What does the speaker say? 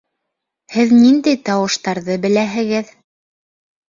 Һеҙ ниндәй тауыштарҙы беләһегеҙ?